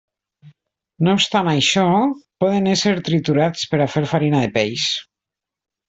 No obstant això, poden ésser triturats per a fer farina de peix.